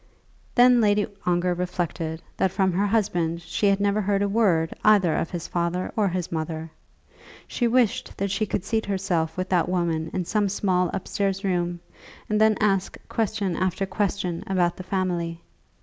Then Lady Ongar reflected that from her husband she had never heard a word either of his father or his mother. She wished that she could seat herself with that woman in some small upstairs room, and then ask question after question about the family.